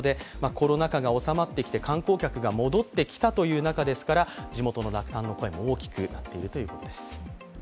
コロナ禍が収まってきて観光客が戻ってきたという中ですから地元の落胆の声も大きく聞こえるということです。